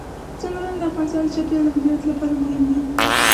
ځنګلونه د افغانستان د چاپیریال د مدیریت لپاره مهم دي.